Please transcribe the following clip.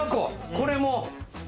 これも？